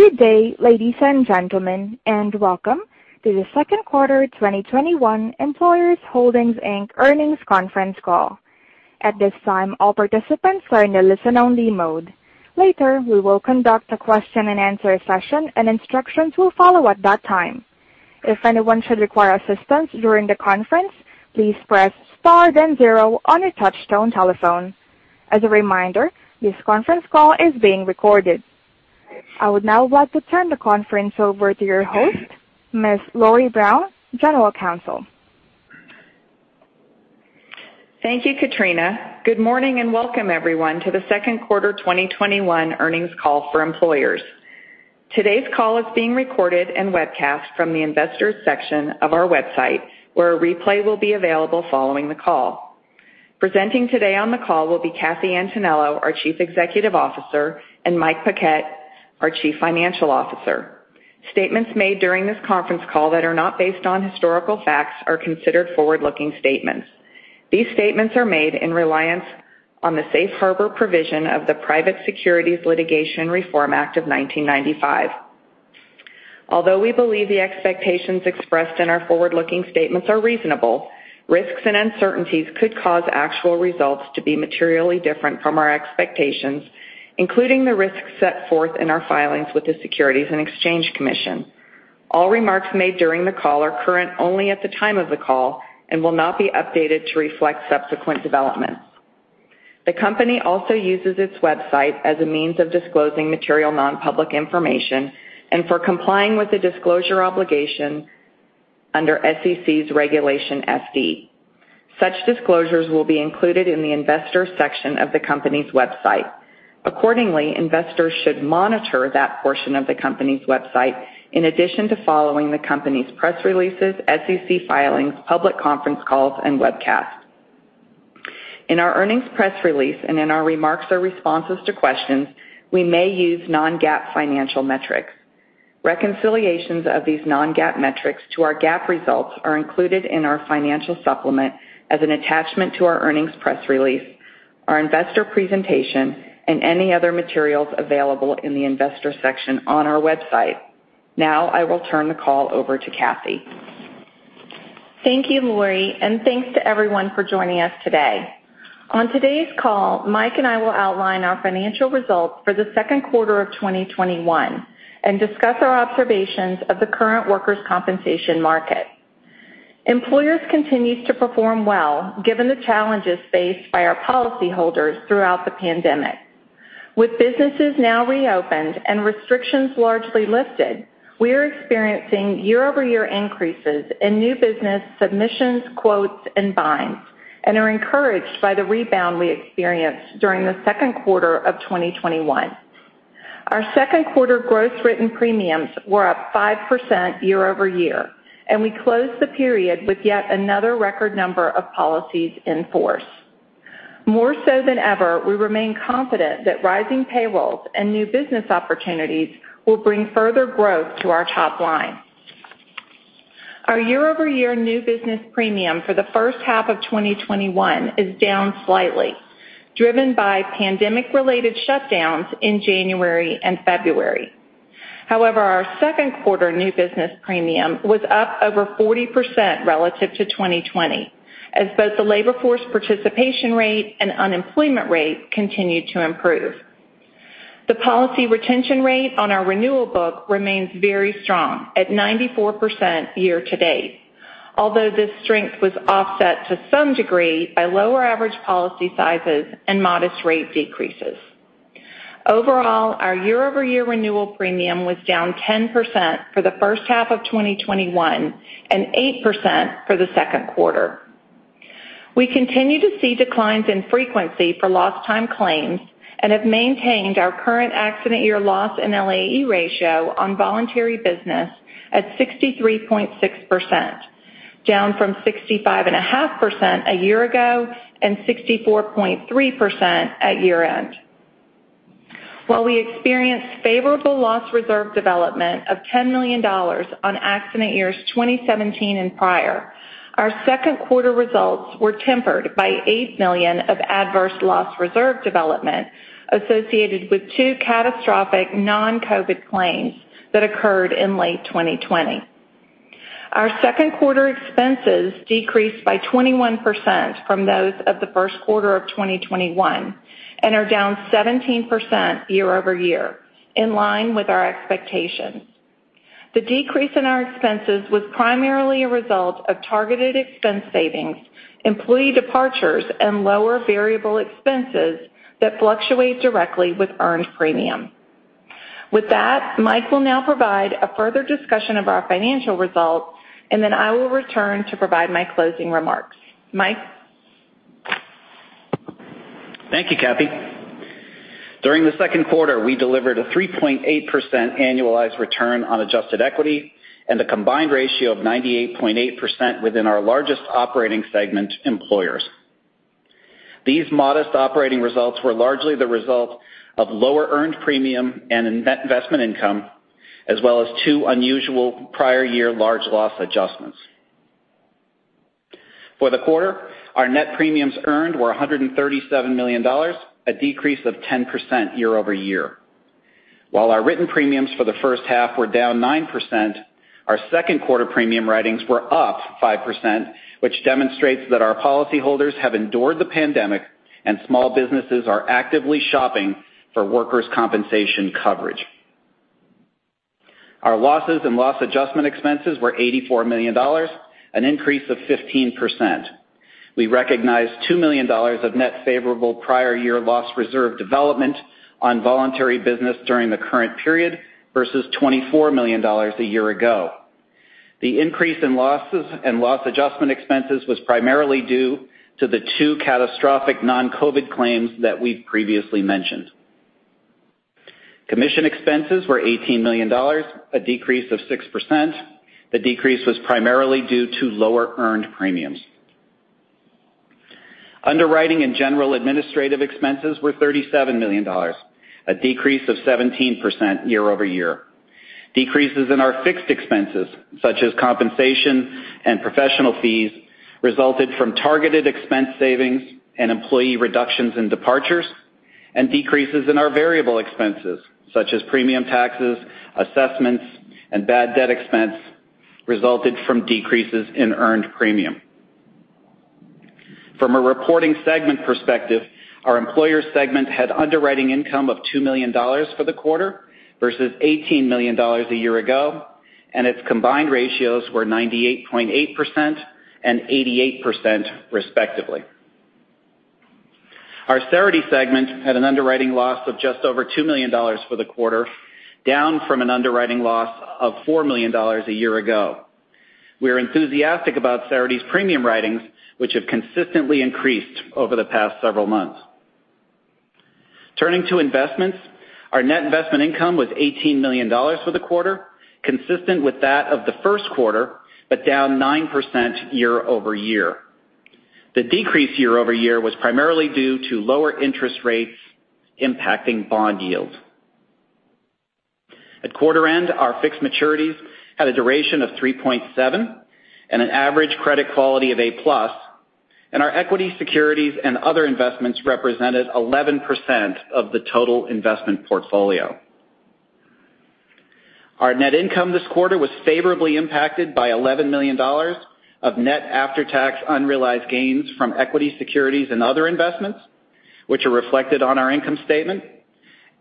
Good day, ladies and gentlemen, welcome to the second quarter 2021 Employers Holdings, Inc. earnings conference call. At this time, all participants are in a listen-only mode. Later, we will conduct a question-and-answer session and instructions will follow at that time. If anyone should require assistance during the conference, please press star then zero on your touch-tone telephone. As a reminder, this conference call is being recorded. I would now like to turn the conference over to your host, Ms. Lori Brown, General Counsel. Thank you, Katrina. Good morning, welcome everyone to the second quarter 2021 earnings call for Employers. Today's call is being recorded and webcast from the Investors section of our website, where a replay will be available following the call. Presenting today on the call will be Kathy Antonello, our Chief Executive Officer, and Mike Paquette, our Chief Financial Officer. Statements made during this conference call that are not based on historical facts are considered forward-looking statements. These statements are made in reliance on the safe harbor provision of the Private Securities Litigation Reform Act of 1995. Although we believe the expectations expressed in our forward-looking statements are reasonable, risks and uncertainties could cause actual results to be materially different from our expectations, including the risks set forth in our filings with the Securities and Exchange Commission. All remarks made during the call are current only at the time of the call and will not be updated to reflect subsequent developments. The company also uses its website as a means of disclosing material non-public information and for complying with the disclosure obligation under SEC's Regulation FD. Such disclosures will be included in the Investors section of the company's website. Accordingly, investors should monitor that portion of the company's website in addition to following the company's press releases, SEC filings, public conference calls and webcasts. In our earnings press release, in our remarks or responses to questions, we may use non-GAAP financial metrics. Reconciliations of these non-GAAP metrics to our GAAP results are included in our financial supplement as an attachment to our earnings press release, our investor presentation, and any other materials available in the Investors section on our website. Now I will turn the call over to Kathy. Thank you, Lori, and thanks to everyone for joining us today. On today's call, Mike and I will outline our financial results for the second quarter of 2021 and discuss our observations of the current workers' compensation market. Employers continues to perform well given the challenges faced by our policyholders throughout the pandemic. With businesses now reopened and restrictions largely lifted, we are experiencing year-over-year increases in new business submissions, quotes, and binds, and are encouraged by the rebound we experienced during the second quarter of 2021. Our second quarter gross written premiums were up 5% year-over-year, and we closed the period with yet another record number of policies in force. More so than ever, we remain confident that rising payrolls and new business opportunities will bring further growth to our top line. Our year-over-year new business premium for the first half of 2021 is down slightly, driven by pandemic-related shutdowns in January and February. However, our second quarter new business premium was up over 40% relative to 2020, as both the labor force participation rate and unemployment rate continued to improve. The policy retention rate on our renewal book remains very strong at 94% year to date, although this strength was offset to some degree by lower average policy sizes and modest rate decreases. Overall, our year-over-year renewal premium was down 10% for the first half of 2021 and 8% for the second quarter. We continue to see declines in frequency for lost time claims and have maintained our current accident year loss and LAE ratio on voluntary business at 63.6%, down from 65.5% a year ago and 64.3% at year-end. While we experienced favorable loss reserve development of $10 million on accident years 2017 and prior, our second quarter results were tempered by $8 million of adverse loss reserve development associated with two catastrophic non-COVID claims that occurred in late 2020. Our second quarter expenses decreased by 21% from those of the first quarter of 2021 and are down 17% year-over-year, in line with our expectations. The decrease in our expenses was primarily a result of targeted expense savings, employee departures, and lower variable expenses that fluctuate directly with earned premium. With that, Mike will now provide a further discussion of our financial results, and then I will return to provide my closing remarks. Mike? Thank you, Kathy. During the second quarter, we delivered a 3.8% annualized return on adjusted equity and a combined ratio of 98.8% within our largest operating segment, Employers. These modest operating results were largely the result of lower earned premium and investment income, as well as two unusual prior year large loss adjustments. For the quarter, our net premiums earned were $137 million, a decrease of 10% year-over-year. While our written premiums for the first half were down 9%, our second quarter premium writings were up 5%, which demonstrates that our policyholders have endured the pandemic and small businesses are actively shopping for workers' compensation coverage. Our losses and loss adjustment expenses were $84 million, an increase of 15%. We recognized $2 million of net favorable prior year loss reserve development on voluntary business during the current period versus $24 million a year ago. The increase in losses and loss adjustment expenses was primarily due to the two catastrophic non-COVID claims that we've previously mentioned. Commission expenses were $18 million, a decrease of 6%. The decrease was primarily due to lower earned premiums. Underwriting and general administrative expenses were $37 million, a decrease of 17% year-over-year. Decreases in our fixed expenses, such as compensation and professional fees, resulted from targeted expense savings and employee reductions in departures. Decreases in our variable expenses, such as premium taxes, assessments, and bad debt expense resulted from decreases in earned premium. From a reporting segment perspective, our Employers segment had underwriting income of $2 million for the quarter versus $18 million a year ago, and its combined ratios were 98.8% and 88%, respectively. Our Cerity segment had an underwriting loss of just over $2 million for the quarter, down from an underwriting loss of $4 million a year ago. We are enthusiastic about Cerity's premium writings, which have consistently increased over the past several months. Turning to investments, our net investment income was $18 million for the quarter, consistent with that of the first quarter, but down 9% year-over-year. The decrease year-over-year was primarily due to lower interest rates impacting bond yields. At quarter end, our fixed maturities had a duration of 3.7 and an average credit quality of A+, and our equity, securities, and other investments represented 11% of the total investment portfolio. Our net income this quarter was favorably impacted by $11 million of net after-tax unrealized gains from equity, securities, and other investments, which are reflected on our income statement.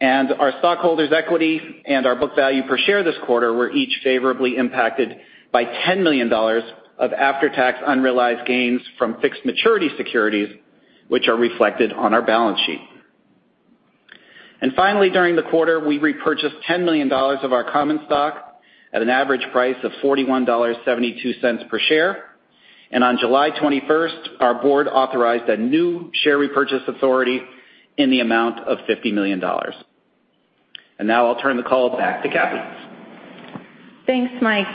Our stockholders' equity and our book value per share this quarter were each favorably impacted by $10 million of after-tax unrealized gains from fixed maturity securities, which are reflected on our balance sheet. Finally, during the quarter, we repurchased $110 million of our common stock at an average price of $41.72 per share. On July 21st, our board authorized a new share repurchase authority in the amount of $50 million. Now I'll turn the call back to Kathy. Thanks, Mike.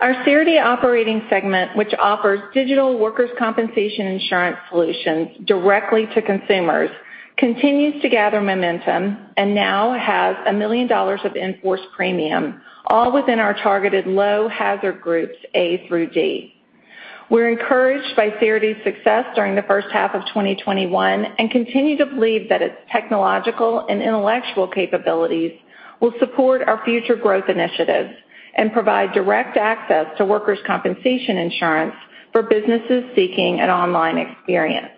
Our Cerity operating segment, which offers digital workers' compensation insurance solutions directly to consumers, continues to gather momentum and now has $1 million of in-force premium, all within our targeted low hazard groups A through D. We're encouraged by Cerity's success during the first half of 2021 and continue to believe that its technological and intellectual capabilities will support our future growth initiatives and provide direct access to workers' compensation insurance for businesses seeking an online experience.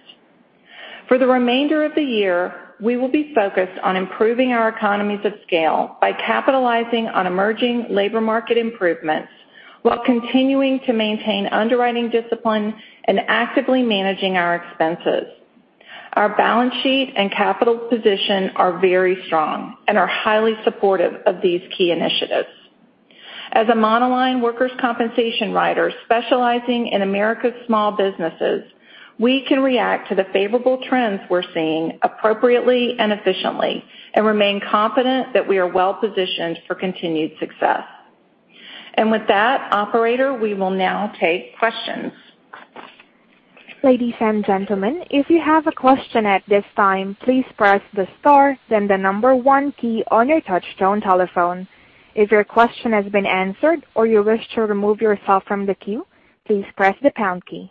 For the remainder of the year, we will be focused on improving our economies of scale by capitalizing on emerging labor market improvements while continuing to maintain underwriting discipline and actively managing our expenses. Our balance sheet and capital position are very strong and are highly supportive of these key initiatives. As a monoline workers' compensation writer specializing in America's small businesses, we can react to the favorable trends we're seeing appropriately and efficiently, and remain confident that we are well-positioned for continued success. With that, operator, we will now take questions. Ladies and gentlemen, if you have a question at this time, please press the star, then the number one key on your touchtone telephone. If your question has been answered or you wish to remove yourself from the queue, please press the pound key.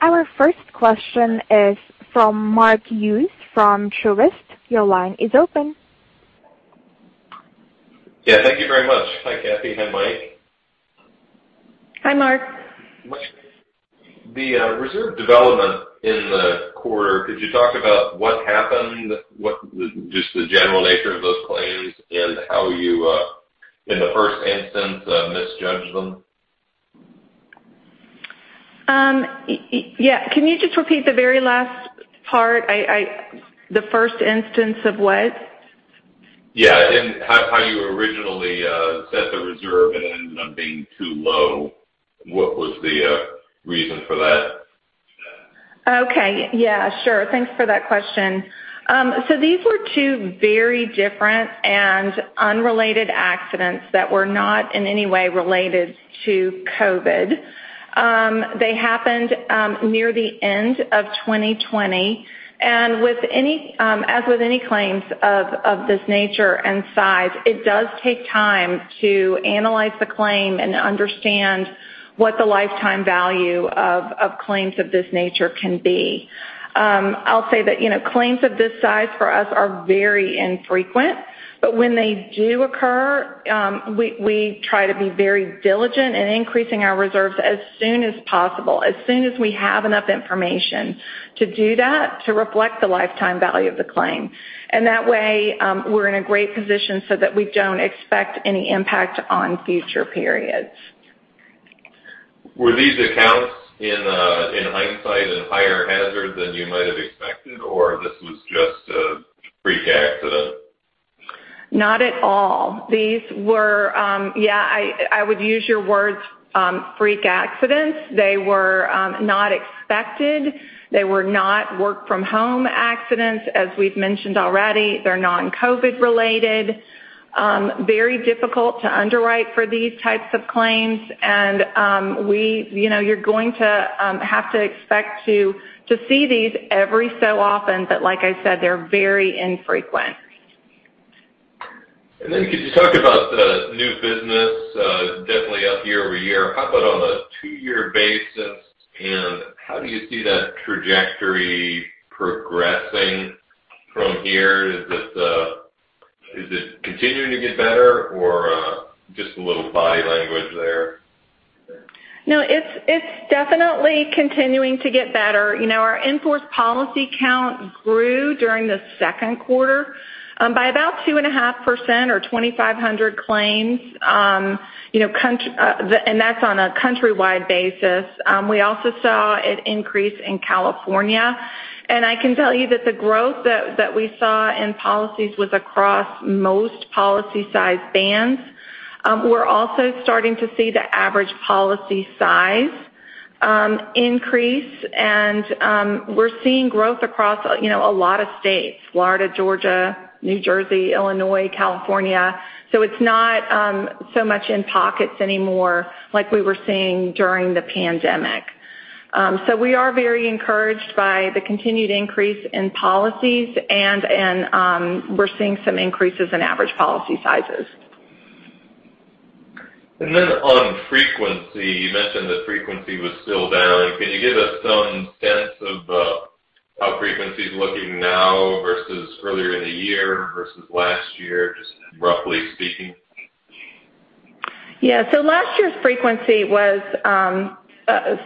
Our first question is from Mark Hughes from Truist. Your line is open. Yeah, thank you very much. Hi, Kathy. Hi, Mike. Hi, Mark. Mike, the reserve development in the quarter, could you talk about what happened, just the general nature of those claims, and how you, in the first instance, misjudged them? Yeah. Can you just repeat the very last part? The first instance of what? Yeah. In how you originally set the reserve and it ended up being too low. What was the reason for that? Okay. Yeah, sure. Thanks for that question. These were two very different and unrelated accidents that were not in any way related to COVID. They happened near the end of 2020, as with any claims of this nature and size, it does take time to analyze the claim and understand what the lifetime value of claims of this nature can be. I'll say that claims of this size for us are very infrequent, but when they do occur, we try to be very diligent in increasing our reserves as soon as possible, as soon as we have enough information to do that, to reflect the lifetime value of the claim. That way, we're in a great position so that we don't expect any impact on future periods. Were these accounts, in hindsight, a higher hazard than you might have expected, or this was just a freak accident? Not at all. These were, I would use your words, freak accidents. They were not expected. They were not work from home accidents, as we've mentioned already. They're non-COVID related. Very difficult to underwrite for these types of claims. You're going to have to expect to see these every so often. Like I said, they're very infrequent. Could you talk about the new business, definitely up year-over-year. How about on a two-year basis, how do you see that trajectory progressing from here? Is it continuing to get better or just a little body language there? No, it's definitely continuing to get better. Our in-force policy count grew during the second quarter by about 2.5% or 2,500 claims, and that's on a countrywide basis. We also saw an increase in California. I can tell you that the growth that we saw in policies was across most policy size bands. We're also starting to see the average policy size increase, and we're seeing growth across a lot of states, Florida, Georgia, New Jersey, Illinois, California. It's not so much in pockets anymore like we were seeing during the pandemic. We are very encouraged by the continued increase in policies and we're seeing some increases in average policy sizes. On frequency, you mentioned that frequency was still down. Can you give us some sense of how frequency's looking now versus earlier in the year versus last year, just roughly speaking? Last year's frequency was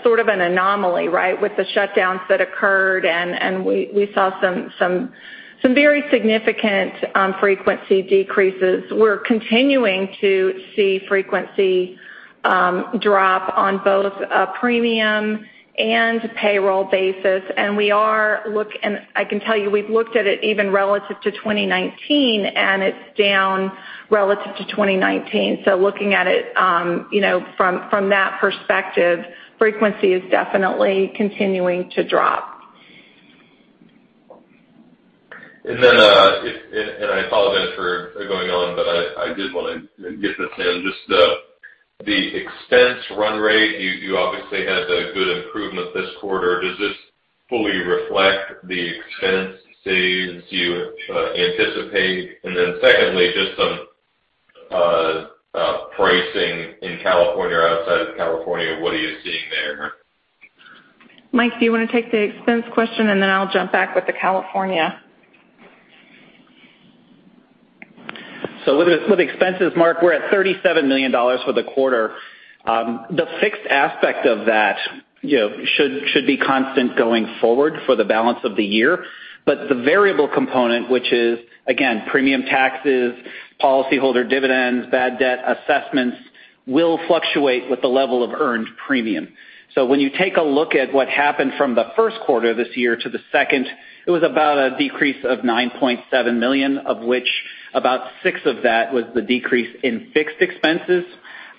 sort of an anomaly with the shutdowns that occurred, and we saw some very significant frequency decreases. We're continuing to see frequency drop on both a premium and payroll basis. I can tell you, we've looked at it even relative to 2019, and it's down relative to 2019. Looking at it from that perspective, frequency is definitely continuing to drop. I apologize for going on, but I did want to get this in, just the expense run rate, you obviously had a good improvement this quarter. Does this fully reflect the expense saves you anticipate? Secondly, just some pricing in California or outside of California, what are you seeing there? Mike, do you want to take the expense question, and then I'll jump back with the California. With expenses, Mark, we're at $37 million for the quarter. The fixed aspect of that should be constant going forward for the balance of the year. The variable component, which is, again, premium taxes, policyholder dividends, bad debt assessments, will fluctuate with the level of earned premium. When you take a look at what happened from the first quarter this year to the second, it was about a decrease of $9.7 million, of which about six of that was the decrease in fixed expenses,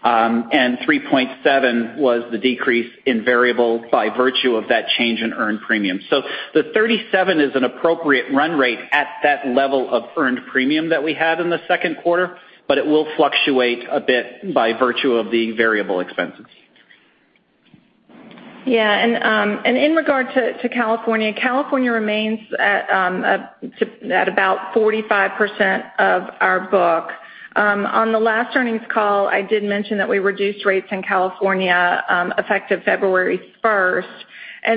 and $3.7 was the decrease in variable by virtue of that change in earned premium. The $37 is an appropriate run rate at that level of earned premium that we had in the second quarter, but it will fluctuate a bit by virtue of the variable expenses. Yeah. In regard to California remains at about 45% of our book. On the last earnings call, I did mention that we reduced rates in California effective February 1st.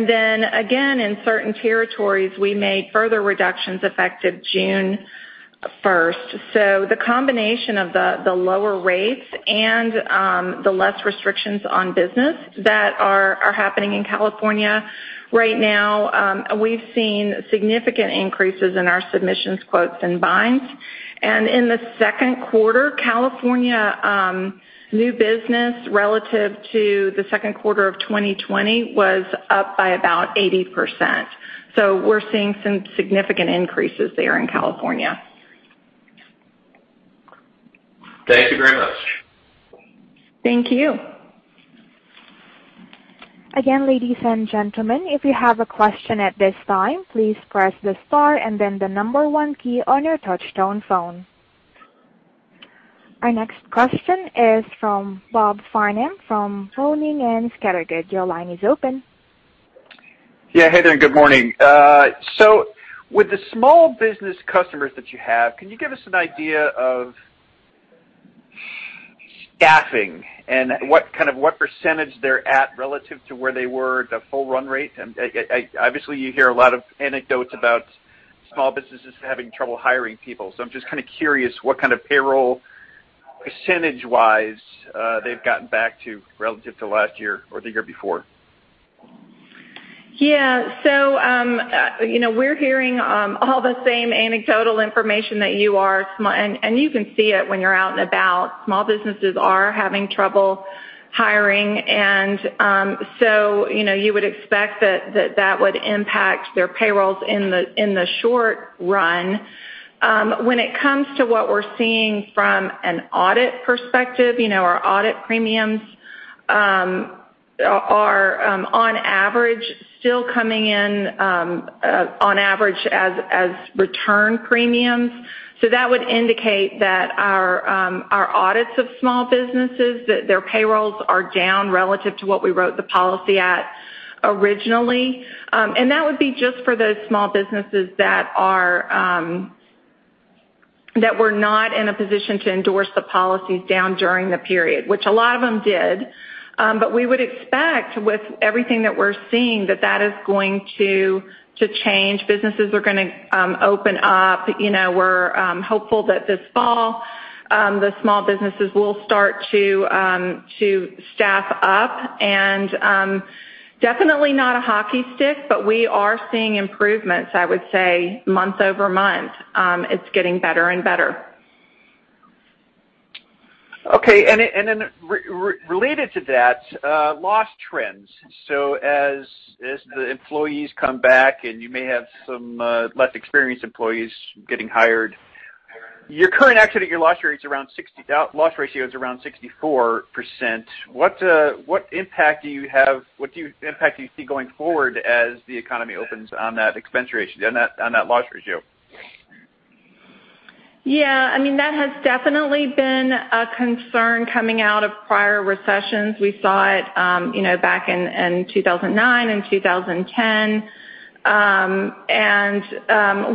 Then again, in certain territories, we made further reductions effective June 1st. The combination of the lower rates and the less restrictions on business that are happening in California right now, we've seen significant increases in our submissions, quotes, and binds. In the second quarter, California new business relative to the second quarter of 2020 was up by about 80%. We're seeing some significant increases there in California. Thank you very much. Thank you. Ladies and gentlemen, if you have a question at this time, please press the star and then the number one key on your touchtone phone. Our next question is from Rob Farnam from Boenning & Scattergood. Your line is open. Hey there, and good morning. With the small business customers that you have, can you give us an idea of staffing and what percentage they're at relative to where they were at the full run rate? You hear a lot of anecdotes about small businesses having trouble hiring people, I'm just curious what kind of payroll, percentage-wise, they've gotten back to relative to last year or the year before. We're hearing all the same anecdotal information that you are. You can see it when you're out and about. Small businesses are having trouble hiring, you would expect that that would impact their payrolls in the short run. When it comes to what we're seeing from an audit perspective, our audit premiums are on average still coming in on average as return premiums. That would indicate that our audits of small businesses, that their payrolls are down relative to what we wrote the policy at originally. That would be just for those small businesses that were not in a position to endorse the policies down during the period, which a lot of them did. We would expect with everything that we're seeing, that that is going to change. Businesses are going to open up. We're hopeful that this fall, the small businesses will start to staff up and definitely not a hockey stick, but we are seeing improvements, I would say, month-over-month. It's getting better and better. Okay. Related to that, loss trends. As the employees come back and you may have some less experienced employees getting hired, your current accident year loss ratio is around 64%. What impact do you see going forward as the economy opens on that loss ratio? Yeah, that has definitely been a concern coming out of prior recessions. We saw it back in 2009 and 2010.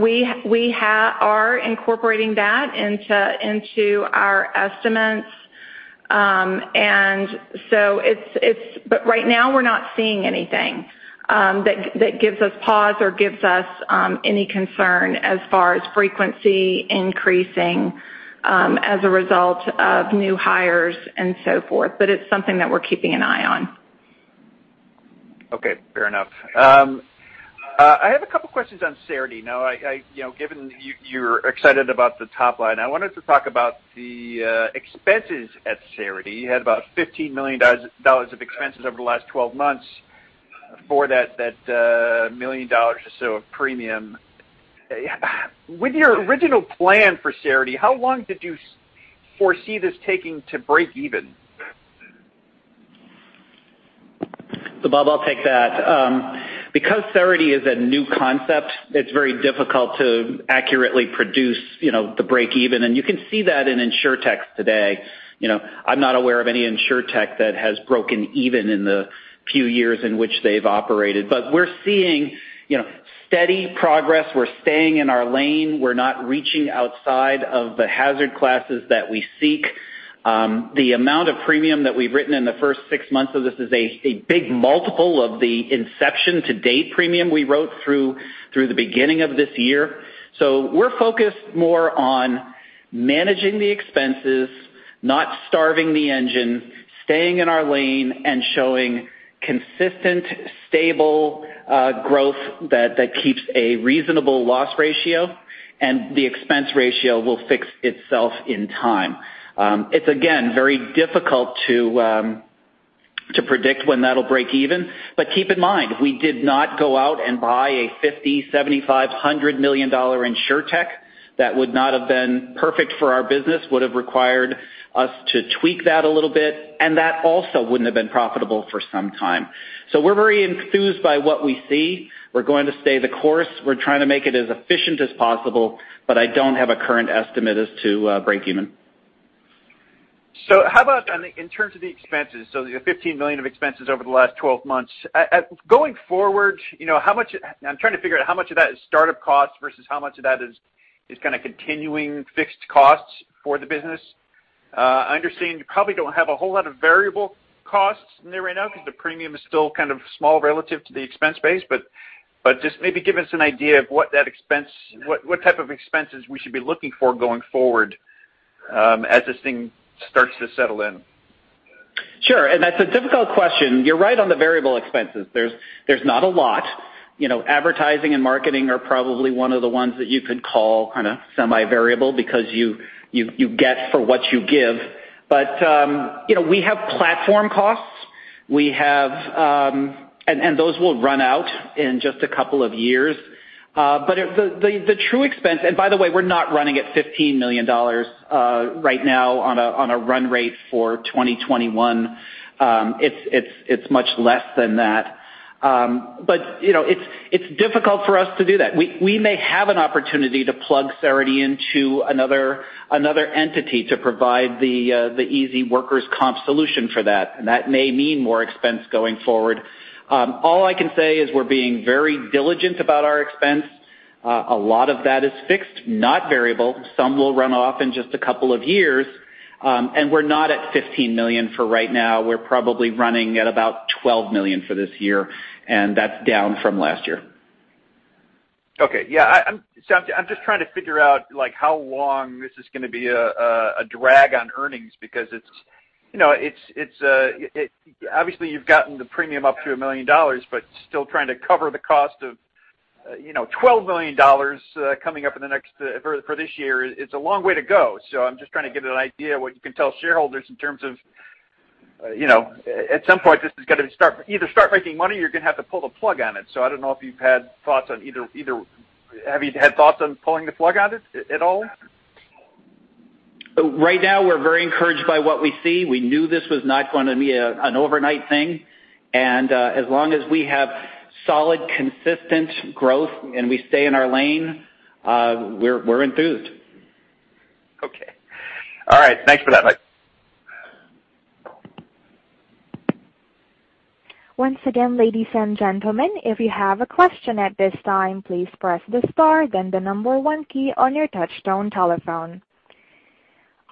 We are incorporating that into our estimates. Right now, we're not seeing anything that gives us pause or gives us any concern as far as frequency increasing as a result of new hires and so forth. It's something that we're keeping an eye on. Okay, fair enough. I have a couple questions on Cerity now. Given you're excited about the top line, I wanted to talk about the expenses at Cerity. You had about $15 million of expenses over the last 12 months for that $1 million or so of premium. With your original plan for Cerity, how long did you foresee this taking to break even? Bob, I'll take that. Because Cerity is a new concept, it's very difficult to accurately produce the break even, and you can see that in Insurtech today. I'm not aware of any Insurtech that has broken even in the few years in which they've operated. We're seeing steady progress, we're staying in our lane. We're not reaching outside of the hazard classes that we seek. The amount of premium that we've written in the first six months of this is a big multiple of the inception to date premium we wrote through the beginning of this year. We're focused more on managing the expenses, not starving the engine, staying in our lane, and showing consistent, stable growth that keeps a reasonable loss ratio, and the expense ratio will fix itself in time. It's, again, very difficult to predict when that'll break even, but keep in mind, we did not go out and buy a $50 million, $75 million, $100 million Insurtech. That would not have been perfect for our business, would've required us to tweak that a little bit, and that also wouldn't have been profitable for some time. We're very enthused by what we see. We're going to stay the course. We're trying to make it as efficient as possible, but I don't have a current estimate as to break even. How about in terms of the expenses? The $15 million of expenses over the last 12 months. Going forward, I'm trying to figure out how much of that is startup costs versus how much of that is continuing fixed costs for the business. I understand you probably don't have a whole lot of variable costs in there right now because the premium is still small relative to the expense base. Just maybe give us an idea of what type of expenses we should be looking for going forward as this thing starts to settle in. Sure, that's a difficult question. You're right on the variable expenses. There's not a lot. Advertising and marketing are probably one of the ones that you could call semi-variable because you get for what you give. We have platform costs. Those will run out in just a couple of years. By the way, we're not running at $15 million right now on a run rate for 2021. It's much less than that. It's difficult for us to do that. We may have an opportunity to plug Cerity into another entity to provide the easy workers' comp solution for that, and that may mean more expense going forward. All I can say is we're being very diligent about our expense. A lot of that is fixed, not variable. Some will run off in just a couple of years. We're not at $15 million for right now. We're probably running at about $12 million for this year, and that's down from last year. Okay. Yeah. I'm just trying to figure out how long this is going to be a drag on earnings, because obviously you've gotten the premium up to $1 million, but still trying to cover the cost of $12 million coming up for this year, it's a long way to go. I'm just trying to get an idea what you can tell shareholders in terms of, at some point, this is going to either start making money or you're going to have to pull the plug on it. I don't know if you've had thoughts on either. Have you had thoughts on pulling the plug on it at all? Right now, we're very encouraged by what we see. We knew this was not going to be an overnight thing, as long as we have solid, consistent growth and we stay in our lane, we're enthused. Okay. All right. Thanks for that, Mike. Once again, ladies and gentlemen, if you have a question at this time, please press the star, then the number one key on your touchtone telephone.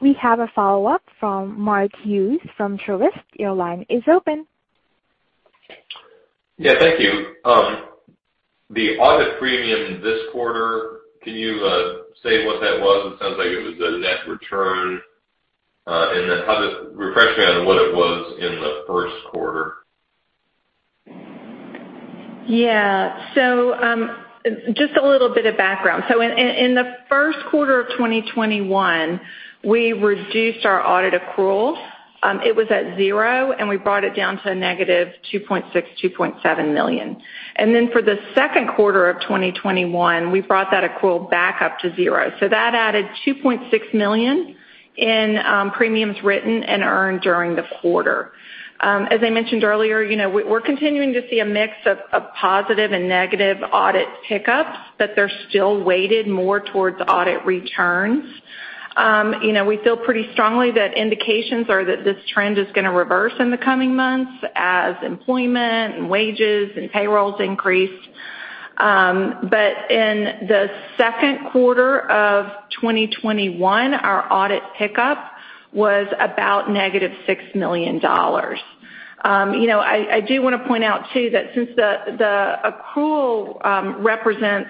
We have a follow-up from Mark Hughes from Truist. Your line is open. Yeah, thank you. The audit premium this quarter, can you say what that was? It sounds like it was a net return. Then refresh me on what it was in the first quarter. Just a little bit of background. In the first quarter of 2021, we reduced our audit accruals. It was at zero, and we brought it down to a negative $2.6 million-$2.7 million. Then for the second quarter of 2021, we brought that accrual back up to zero. That added $2.6 million in premiums written and earned during the quarter. As I mentioned earlier, we're continuing to see a mix of positive and negative audit pickups, but they're still weighted more towards audit returns. We feel pretty strongly that indications are that this trend is going to reverse in the coming months as employment and wages and payrolls increase. In the second quarter of 2021, our audit pickup was about $-6 million. I do want to point out, too, that since the accrual represents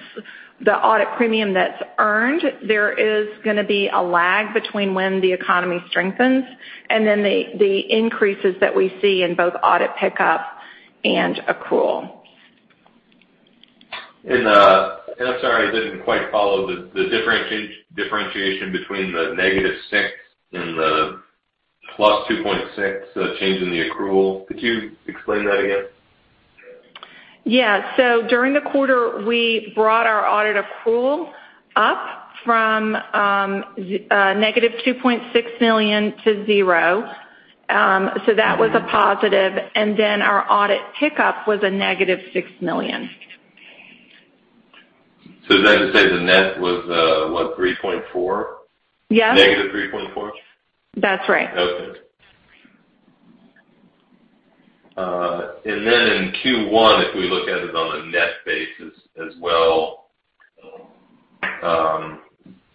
the audit premium that's earned, there is going to be a lag between when the economy strengthens and then the increases that we see in both audit pickup and accrual. I'm sorry, I didn't quite follow the differentiation between the $-6 and the $+2.6 change in the accrual. Could you explain that again? During the quarter, we brought our audit accrual up from $-2.6 million to zero. That was a positive, our audit pickup was a $-6 million. Is that to say the net was, what, $3.4? Yes. $-3.4? That's right. In Q1, if we look at it on a net basis as well,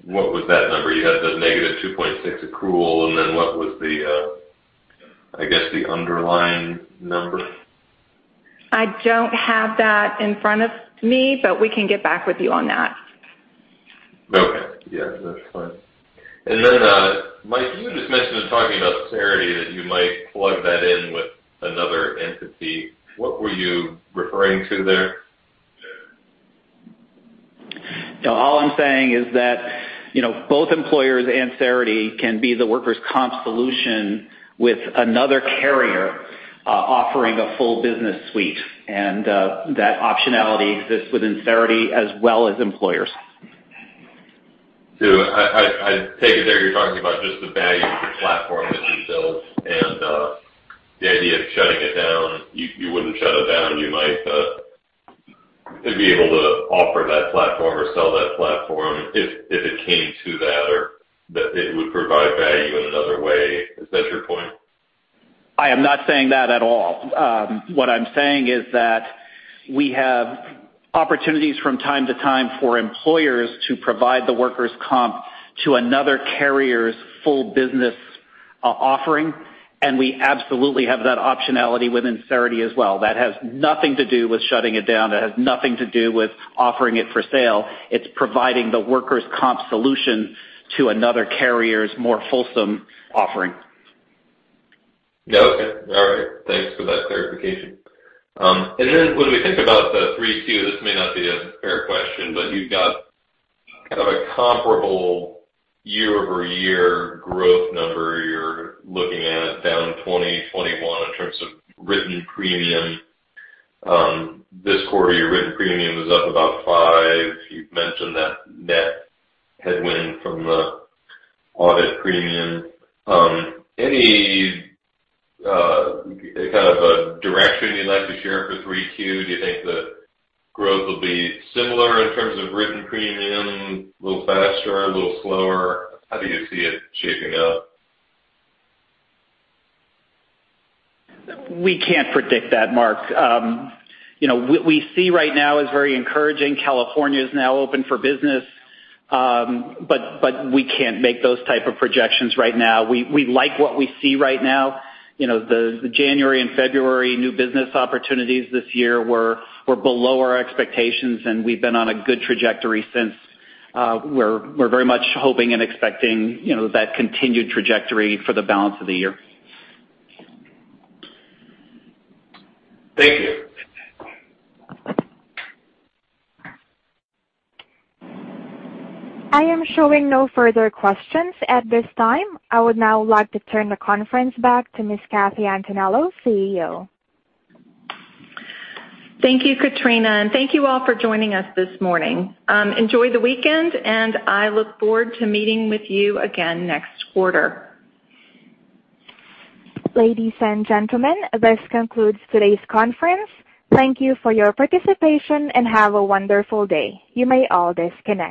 what was that number? You had the $-2.6 accrual, and then what was, I guess, the underlying number? I don't have that in front of me. We can get back with you on that. Okay. Yeah, that's fine. Mike, you just mentioned in talking about Cerity that you might plug that in with another entity. What were you referring to there? All I'm saying is that both Employers and Cerity can be the workers' comp solution with another carrier offering a full business suite, and that optionality exists within Cerity as well as Employers. I take it there you're talking about just the value of the platform that you built and the idea of shutting it down. You wouldn't shut it down. You might be able to offer that platform or sell that platform if it came to that, or that it would provide value in another way. Is that your point? I am not saying that at all. What I'm saying is that we have opportunities from time to time for Employers to provide the workers' comp to another carrier's full business offering, and we absolutely have that optionality within Cerity as well. That has nothing to do with shutting it down. That has nothing to do with offering it for sale. It's providing the workers' comp solution to another carrier's more fulsome offering. Okay. All right. Thanks for that clarification. When we think about 3Q, this may not be a fair question, but you've got kind of a comparable year-over-year growth number. You're looking at it down 2021 in terms of written premium. This quarter, your written premium was up about five. You've mentioned net headwind from the audit premium. Any kind of a direction you'd like to share for 3Q? Do you think the growth will be similar in terms of written premium, a little faster, a little slower? How do you see it shaping up? We can't predict that, Mark. What we see right now is very encouraging. California is now open for business. We can't make those type of projections right now. We like what we see right now. The January and February new business opportunities this year were below our expectations, we've been on a good trajectory since. We're very much hoping and expecting that continued trajectory for the balance of the year. Thank you. I am showing no further questions at this time. I would now like to turn the conference back to Ms. Kathy Antonello, CEO. Thank you, Katrina, thank you all for joining us this morning. Enjoy the weekend, I look forward to meeting with you again next quarter. Ladies and gentlemen, this concludes today's conference. Thank you for your participation, and have a wonderful day. You may all disconnect.